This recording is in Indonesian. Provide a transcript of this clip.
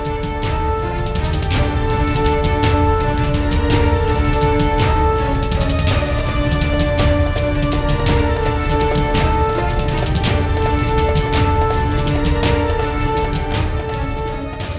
sang pengcia apa awak